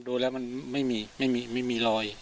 ดูแล้วมันไม่มีไม่มีรอย